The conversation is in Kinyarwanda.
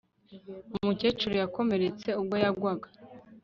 Umukecuru yakomeretse ubwo yagwaga